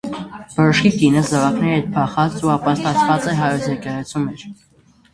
Բժիշկի կինը՝ զաւակներուն հետ, փախած ու ապաստանած է հայոց եկեղեցւոյ մէջ։